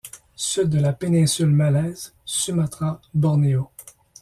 Sud de la Péninsule malaise, Sumatra, Bornéo.